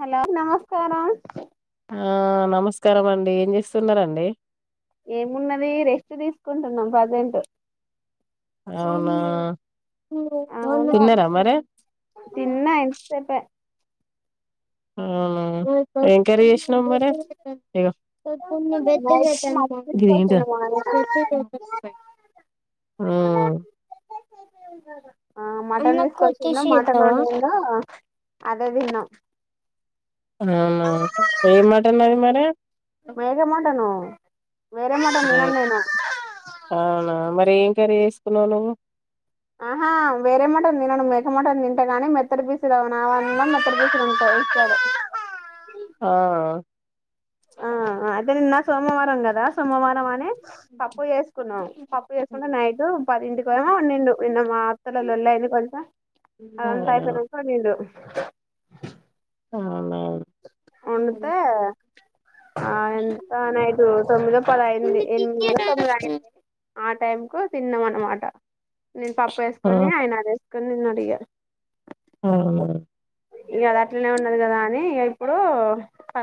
Hello నమస్కారం ఆ నమస్కారం అండి ఏం చేస్తున్నండి ఏమున్నది రెస్ట్ తీసుకుంటున్నాం పజెట్ అవునా అవును తన్నార మర తిన్నా ఇంతసేపే ఆ ఏంకరీ చేసినాం మరి ఇ నైట్ కి మటన్ తీసుకొచ్చిండు మా ఆయన ప [inaudible] ద ఆ మటన్ తీసుకోవచ్చన్నా మటన్ ఉండంద అదే విన్నం అవునా ఏ మటన్ అది మరి మేక మటను వేరే మట నేనం నేను అ ఏం కర్రీ వసుకున్నావు నువ్వు ఆహా వేరే మటని తినడు మేకమటం తింటే గాని మెత్తడి పీసి రావన్న మెత్తడు పీసు తంటా ఇస్తాడు ఆ ఆ అదే ని నా సోమవారం అంగదా సోమవారం అని పప్పు చేసుకున్నాం పప్పు చేసుకుంటే నైట్ పదింటికి ఏమో ఉండు నిన్న మా అత్తల లల్ అయింది కొంచెం అదంతా అయిపోయినాక ఉండు [inaudible] ఆ అంతే ఆ ఎంత నైటు తొమ్మిది పదయింది ఎనిమిదో తొమ్మిది అవునా అయింది ఆ టైం కు తిన్నాం అన్నమాటా నేను పప్పు ఆ! వేసుకొని ఆయన అదే కి నిన్న అడిగా ఆ ఇక అది అట్లనే ఉన్నది కదా అని ఇక ఎపుడో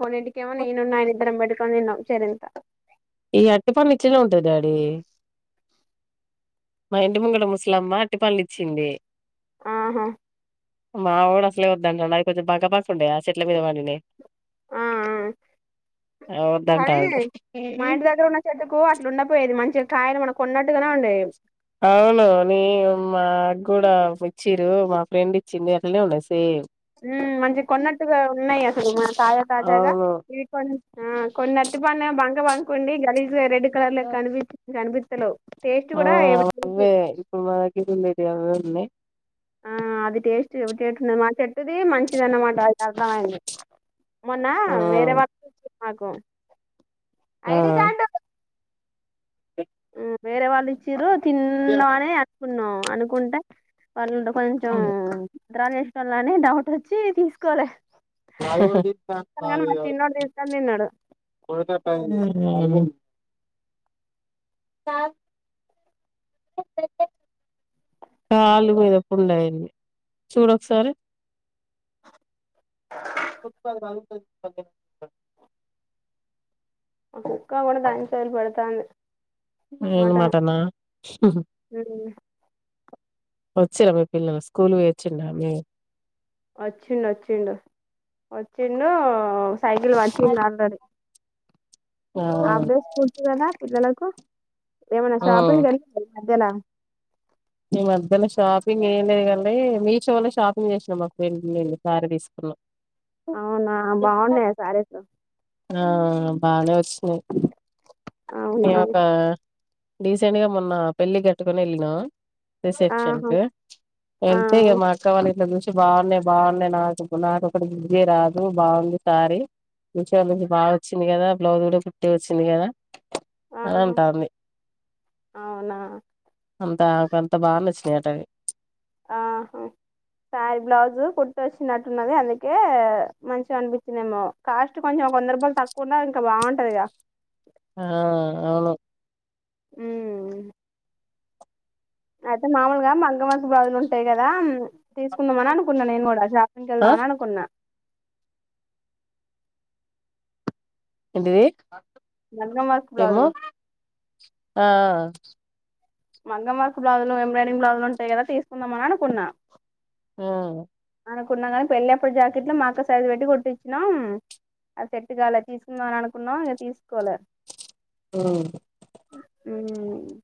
ఫోర్ ఇంటికైమో నేను అయినా ఇద్దరం [unintelligible] చేరింత ఈ అరటిపండు ఇచినవ్ డాడీ మా ఇంటి ముంగడ ముసలామ్మ అట్టి పనులు ఇచ్చింది ఆహా మా వోడు అసలే వద్దంటాడు అది కొంచెం బంక బంకా ఉండేయా ఆ చెట్ల మీద పందేనేయి ఆ ఆ అవి కానీ వద్దంటాండు. మా ఇంటి దగ్గర ఉన్న చెట్టుకు అట్లుండపోయేది మంచి చె కాయన మన కొన్నట్టుగానే ఉండేవి అవును నివ మా కూడా ఇచ్చిరు మా ఫ్రెండ్ ఇచ్చింది అట్లనే ఉంటది సేమ్ ఉమ్ మంచిగా కొన్నట్టుగా ఉన్నాయి అసలు మన తాజా తాజాగా అవును. ఇవి కొ ఆ కొన్ని అరటిపండు ఏమో బంక బంకా వుండి గలీజ రెడ్ ఉంటారులే కనిపించి కనిపి హలో ఆ అవే ఇప్పుడు మనా టిఫిన్ లే కి అవే ఉనాయి ఆ అది టేస్ట్ ఉ టేస్ట్ ఉంది మా చెట్టుది మంచిది అన్నమాట అది అర్థమయింది మొన్నా ఆ! వేరే వాల్ ఆగో ఆ! ఐడి కార్డు ఉమ్, వేరే వాళ్లు ఇచ్చిన్రు తిన్నానే ఉనా అనుకుంటే వాళ్ళు డో కొంచెం భద్రులు చేసేటోళ్లని డౌట్ వచ్చి తీసుకోలే కానీ మా చిన్నోడు తీసుకొని తిన్నాడు ఉమ్ కాలు మీదప్పుడు ఉంయండి చూడ ఒకసారి మా కుక్క కూడా దాని చయలు పెడ్తాంది మీరు మాటనా ఉహుమ్ ఉమ్, వచ్చిర మీ పిల్లలు స్కూల్ పోయివచిండా మి వచ్చిం వచ్చిండు వచ్చిండు సైకిల్ పాటిండు ఆల్రెడీ ఆ అప్డేస్ స్కూల్ కదా పిల్లలకు ఏమైనా ఆ షాపింగ్కి వెళ్ళ మద్యాలా ఈ మధ్యలో షాపింగ్ ఏం లేదు కానీ మీషోలో షాపింగ్ చేసినాం మా ఫ్రెండ్ నేను శారీ తీసుకున్నాం. అవునా బాగున్నాయి శారీస్ ఆ బానే వచ్చినాయి అవునా నేను ఒక డీసెంట్ గా మొన్న పెళ్ళి కట్టుకోని వెళ్ళిన రిసెప్షన్ ఆహా కు ఆ వెళ్తే ఇక మా అక్క వాళ్ళ ఇట్లా చూసి బాగున్నాయి బాగున్నాయి నాకు నాకొఒకటి తీపియ రాదు బాగుంది సారీ మీ షో నుంచి బాగా వచ్చింది కదా బ్లౌజ్ కూడా పీట్ వచ్చింది కదా అని ఆహా అంటాంది అవునా అంత అంత బాగా నచ్చింది నటవి ఆహ శారీ బ్లౌజు కుట్టు వచ్చినట్టున్నది అందుకే మంచిగా అనిపించిందేమో కాస్ట్ కొంచెం ఒక వంద రూపాయలు తక్కువ ఉన్న ఇంకా బాగుంటుందిగా ఆ అవును ఊ అయితే మామూలుగా మగ్గం వర్క్ బ్లౌజ్ ఉంటాయి కదా తీసుకుందాం అని అనుకున్నాను నేను కూడా షాపంగ్కి ఆ వెళ్దా అని అనుకున్న ఎంటిది మగ్గం వర్క్ ఏమో బ్లౌజులు ఆఆ మగ్గం వర్క్ బ్లౌజ్లు ఎంబ్రాయిడింగ్ బ్లౌజ్ ఉంటాయి కదా తీసుందామనీ అని అనుకున్నా ఆ అనుకున్నాం కానీ పెళ్ళి అప్పుడు జాకెట్లో మాకు సైజు పెట్టి కుట్టిచ్చినం అది సెట్టు కాలే తీసుకుందాంమని అనుకున్నాం ఇక తీసుకోలే అ ఉ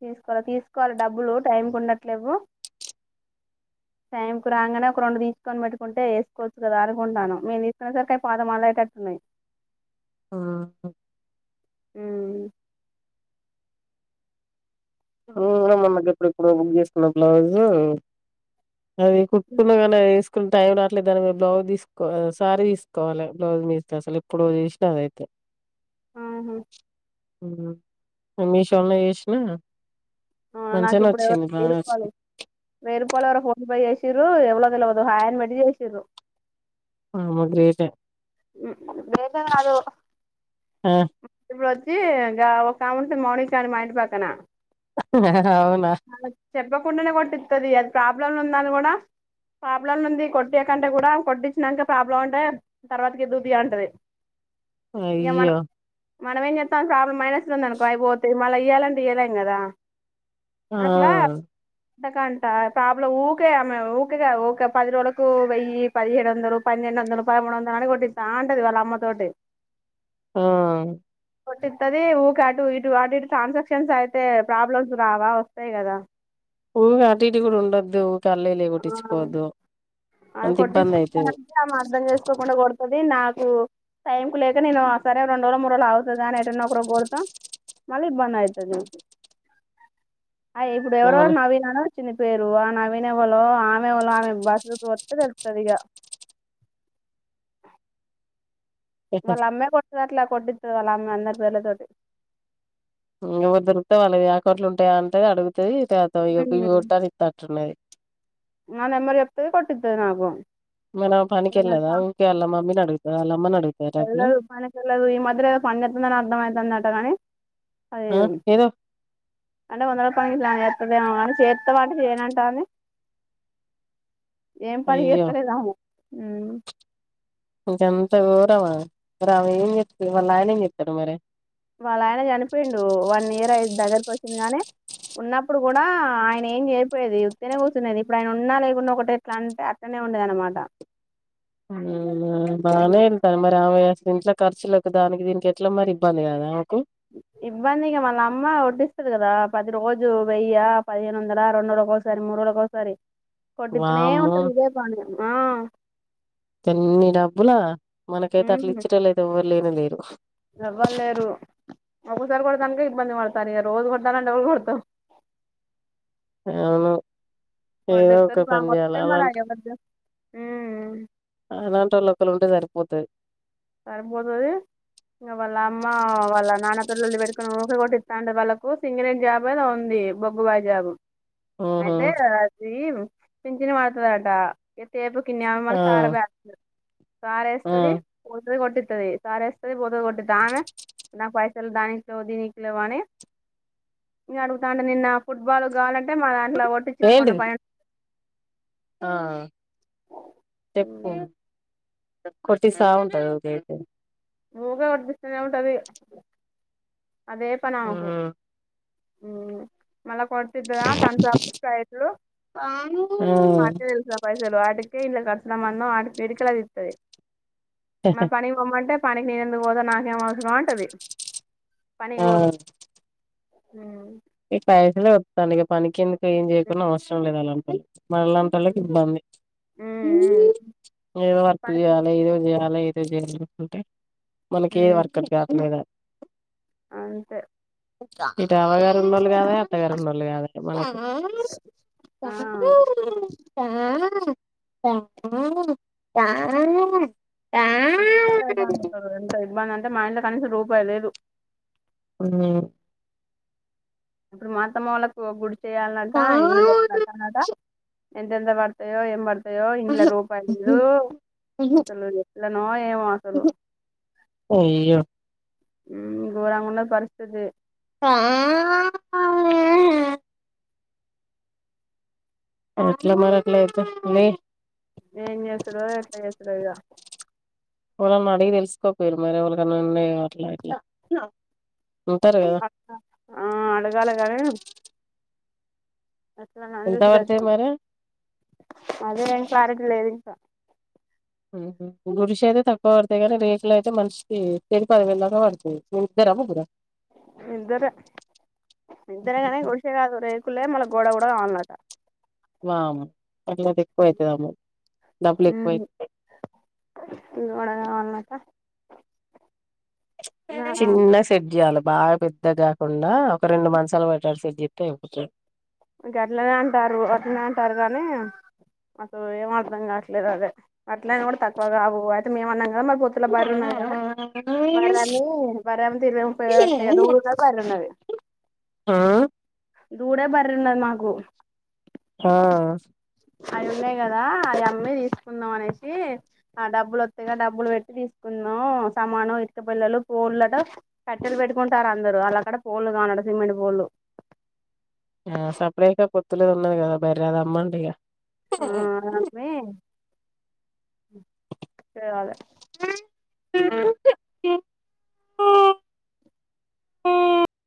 తీసుకోవాలి తీసుకోవాలి డబ్బులు టైం కు ఉండట్లేవు టైం కు రాగానే ఒక రెండు కొని పెట్టుకుంటే వేసుకోచ్చు కదా అనుకుంటాను మేము తీసుకునే సరికి పాత మెడల్ అయ్యేదట్టున్నాయి ఆ ఉ [unintelligible] ఎప్పుడుప్పుడో బుక్ చేసుకున్నా బ్లౌజ్ అది కుట్టు [unintelligible] టైం రావట్లే దాని మీదాకి బ్లౌజ్ తీసుకో సారీ తీసుకోవాలి బ్లౌజ్ మీదాకి అసలు ఎప్పుడు చేసిన అయితే ఆహా ఉ మీషోలో చూసిన నాకు ఇప్పుడు ఎవ వెయ్యి బాగానే రూపాయలు వచ్చింది వెయ్యి రూపాయలు ఎవరో ఫోన్ పే చేసి తిరు ఎవలో తెల్వదు హయ్ అని పెట్టీ చేసిర్రు ఆమె గ్రేట్ ఏ గ్రేట్ ఎమ్ కాదు ఆ ఇప్పుడు వచ్చి ఒక ఆమె ఉంటుంది మౌనిక అని మా ఇంటి పక్కన అవునా చెప్పకుండానే కొట్టిస్తుంది అది ప్రాబ్లంలు ఉంద అని కూడా ప్రాబ్లంలు ఉంది కొట్టియాకంటే కూడా కొట్టించాక ప్రాబ్లం అంటే తర్వాతకి దూపి అంటది ఇక మనం అయో మనం ఏం చేస్తాం ప్రాబ్లం అైననస్ ఉంది అనుకో అయిపోతే మళ్ళీ ఇయాలంటేదలేం కదా ఆ అంతకంట ప్రాబ్లం ఊకేమె ఊరిగాఊ పది రోజులకు వెయ్యి పదిహేడు వందలు పన్నెండు వందలు పదమూడు వందలు అ నాకి ఒకటి తాంటది వాళ్ళ అమ్మతోటి. ఆ కొట్టిది ఊక అటు ఇటు వాటిటు ట్రాన్సాక్షన్స్ అయితే ప్రాబ్లమ్స్ రావా వస్తాయి కదా. ఊహ అటింటి కూడా ఉండద్దు కళ్ళలే కుటిచ్చుకొవద్దు. అ కొట్ంత అర్ధం చేసుకోకుండా ది నాకు టైం కు లేక నేను ఆ సరే రండు రోజులు మూడుజులు అవుతుంది అని ఎంటన్నా ఒకరు కోడత మళ్ళీ ఇబ్బంది అవుతుంది. అయ్ ఇప్పుడు ఎవరో మన నవీనానో చిన్న పేరు ఆ నవీన్. [unintelligible] తెలుపూతదిగా వల్ అమ్మె కొట్టది అట్ల కొట్ది అల అమ్ అంద వేల తోటి దొరితే వాళ్ళవి ఏయా అకౌంట్ లోఉంటాయా అంటే అడుగు [unintelligible] నన్ ఎమరి ఎప్తది కొట్టద్దే నాకు ఏమన్నా పనినికికిల్లదా ఊక అల్లా మమ్మీ నడుగుతి వాళ్ళ అమ్మని అడుగుతాద ఈ మాది అ [unintelligible] అర్థమయందటా కానీ అదే ఆ ఏదో అంటే వందపా ఎత్తదే కా చేర్త పాట చేయనాంటాది ఏం అయ్యో పనిచేస్తలేదు అవు అంత ఘోరమా మరి ఆమె ఏం చేస్తది వాళ్ళ ఆయన ఏం చేస్తారు మరి. వాళ్ళ ఆయన చనిపోయిడు వన్ ఇయర్ అయి దగ్గరకు వచ్చింది గానీ ఉన్నప్పుడు కూడా ఆయన ఏం చేరిపోయేది ఇయుతేనే కూర్చునేది ఇప్పుడు ఆయన ఉన్నా లేకుండా ఒకట ఎట్లా అంటే అతనే ఉండేది అనమాట. బానే ఇళ్తాన మరి ఆమె దీంట్ ఖర్చులకు దానికి దీనికి ఎట్లా మరి ఇబ్బంది కదా నాకు ఇబ్బందికి మళ్ళ అమ్మ వడ్డిస్తుది కదా పది రోజు వెయ్య పదిహేను వందల రెండు ఒకసారి మూడు రోజులక ఒకసారి. కొట్టతనే వామ్మో ఉంట ఇదే బని ఆ ఎన్ని డబ్బులా మనకైతే అట్లు ఇచ్చట లేదు. లేన లేరు ఏవ్వలేరు ఒక్కసారి కొడడాానిక ఇబ్బంది పడతారు ఇ రోజు కొడతాలంటే ఒకళు కొడతాం. అవును ఏదో కొట్టిత్తరు ఒక పని ఆమె చేయాలి వత్తే మరి అలాంటి ఎవరు ఉమ్ అలాంటిళ్ళక్కలు ఉంటే సరిపోతది సరిపోతుది ఇంకా వాళ్ళ అమ్మ వాళ్ళ నాన్న పల్లలు పెట్టుకుని మూకలు కొటిస్తాంటే వాళ్ళకు సింగినట్ జాబ్ అది ఉంది బొగ్గు బాయ్ జాబ్ ఊహు అయితే అది పింంచిన పడతాడీ అంట ఎతేేపు కన్యా మ ఆ సారా బ్యాస ఆ సారుేస్తుది పోతు కొట్టింది సర వస్తుది పోతుంది కొట్టి నా పైసలు దానిట్లో దీనిట్లో అని ఇ అడుగుతా అంటే నిన్న ఫుట్బాల్ కాగావాలంటే అంట మాంట్లో ఓటిచ్చ పోన ఏంటిది పయైన ఆ చెప్పు కొటిస ఉంటదుతే ఊగా వటిపిస్తనే ఉంట అది అదే పనకు ఉ మళ కొతంద తన చయి మాట తెల్సా పైసలు ఆటి ే ఇల్ కసన మన్నం ఎడుకలదిత్తది మ పని పోమంట పనికి నేను ఎందుకు పోదా నాకేం అవసరం అంటది ఆ పనిపోదు హూ ఈ పైసలె వతానిక పనికెందుకు ఏం జేయకున్న అవసరంలెదు అలాంటోలు మనళ్ళాంటోళ్ళకి ఉమ్, ఇబ్బంది ఉమ్, ఉమ్. ఏదో వర్క్ పైసలు జేయాలి ఏదో జేయాలి చేయాలి అంటే మనకే మ్మ్ వర్క్ గట్లేదా అంతే ఇదవగా ఉన్నోళ్లు కాదాయె అత్తగారున్నోళ్లు గదాయె మనకు ఆ తా తా ఎంత ఇబ్బంద అంటే మా ఇంట్లో కనీసం రూపాయి లేదు ఊ ఇప్పుడు మాతమ్మొళ్ళకు గుడి చేయాల్నన్నాంట ఇల్లులూ మ్మ్ [unintelligible] ఎంతెంత బడతయో ఏం బడ్ తయో ఇంట్ల రూపాయి లేదూ అసలు ఎట్లనో ఏమో అసలు అయ్యో ఊ ఘోరంగున్నది పరిస్థితి ఆ ఎట్లా మరట్లైతే లే ఏం జేస్తడో ఎట్లా జేస్తడో ఈగా వాళ్ళని అడిగి తెలుసుకోపోయిరు మరి ఎవాళ్ళికన్నా ఉన్నాయె అట్లా ఇట్లా ఉంటారు కదా ఆ అడగాలె గనీ అసలు నన్ ఎంత పడతాయి [unintelligible] మరి అదే ఏం క్లారిటీ లేదిం స ఊహు గుడిషైతే తక్కువ పడతాయి గానీ రేకులైతే మనిషికి షెరీ పదివేలదాక బాడతాయి మీరిద్దరా ముగ్గురా ఇద్దరే ఇద్దరే గనీ గుడిసె గాదు రేకు కుల్లె మళ్ళ గోడ కూడా కావల్నట వామొ అట్లైతే ఎక్కువైతదమో డబ్బులెక్కువై మకా చిన్న సెట్జెయల బాగా పేద్దగాకుండా ఒక రెండు మంచాలు పెట్టాటు సట్ జెతే అయిపోతది గట్లనే అంటారు అట్లనే అంటారు గానీ మాకు ఏం అర్థంగట్లేదదే అట్లైనా కూడా తక్కువ కావు అయితే మేము అన్నాం కదా మర్ పోత్తుల బర్రున్నది గదా బర్రమి బార్రమ్మితె ఇరవై ముప్పైవేలోత్తయ్ గదా ఊర్లో బర్రున్నది ఆ దూడ బార్ న్న మాకు ఆ అవి ఉన్నాయి కదా అవి అమ్మి తీసుకుందాం అనేసి ఆ డబ్బులు వత్తగా డబ్బులు పెట్టి తీసుకుందాం సమానం ఇట్క పిల్లలు పోళ్లట కట్టెలు పెట్టుకుంటారు అందరు అలాక్కడ పోళ్లుు కానడు సిమెంట్ పొల్లు ఆ సపరకా పొత్తులేది ఉన్నది కదా బర్రద అమ్మండిగా చేయాలె ఇగ